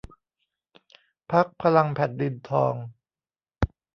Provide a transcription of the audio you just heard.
พรรคพลังแผ่นดินทอง